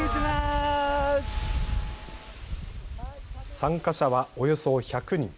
参加者はおよそ１００人。